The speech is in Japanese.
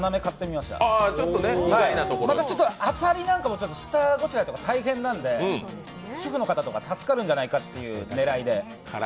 また、あさりも下ごしらえが大変なんで、主婦の方とか助かるんじゃないかという狙いで。